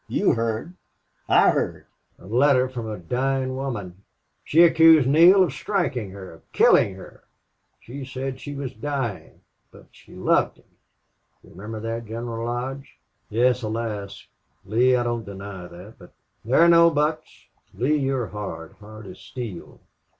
You heard. I heard.... A letter from a dying woman. She accused Neale of striking her of killing her.... She said she was dying, but she loved him.... Do you remember that, General Lodge?" "Yes, alas!... Lee, I don't deny that. But " "There are no buts." "Lee, you're hard, hard as steel.